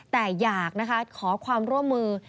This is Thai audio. แต่อยากนะคะขอความร่วมมือ